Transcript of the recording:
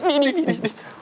đi đi đi